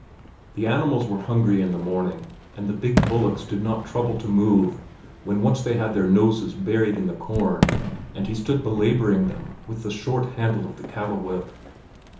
The animals were hungry in the morning, and the big bullocks did not trouble to move when once they had their noses buried in the corn and he stood belaboring them with the short handle of the cattle whip.